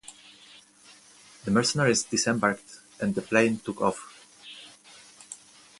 The mercenaries disembarked and the plane took off.